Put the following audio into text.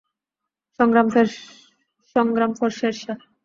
সংগ্রাম ফর শেরশাহ!